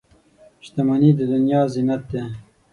• شتمني د دنیا زینت دی.